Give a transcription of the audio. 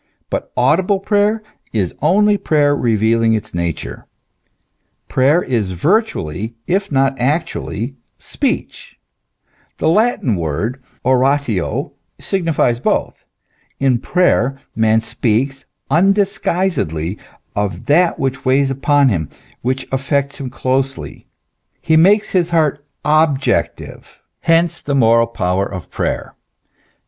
But audible prayer is only prayer revealing its nature ; prayer is virtually, if not actually, speech, the Latin word oratio sig nifies both ; in prayer, man speaks undisguisedly of that which weighs upon him, which affects him closely; he makes his heart objective; hence the moral power of prayer.